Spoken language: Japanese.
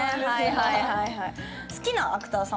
はいはいはいはい。